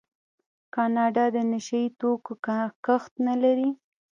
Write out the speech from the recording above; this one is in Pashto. کاناډا د نشه یي توکو کښت نلري.